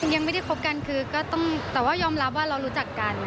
ยังไม่ได้คบกันแต่ว่ายอมรับว่าเรารู้จักกันนะคะ